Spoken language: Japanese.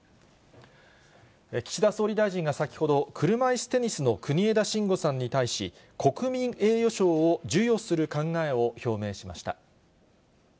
岸田総理大臣が先ほど、車いすテニスの国枝慎吾さんに対し、国民栄誉賞を授与する考えを表明しました。